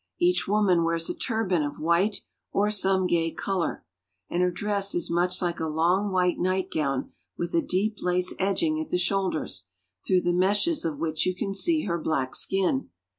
Each woman wears a turban of white or some gay color, and her dress is much like a long white nightgown with a deep lace edging at the shoulders, through the meshes of which you can see her black skin.